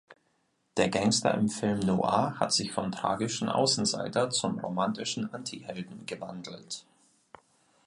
Der Gangster im Film noir hat sich vom tragischen Außenseiter zum romantischen Antihelden gewandelt.